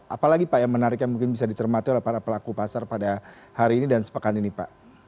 apalagi pak yang menarik yang mungkin bisa dicermati oleh para pelaku pasar pada hari ini dan sepekan ini pak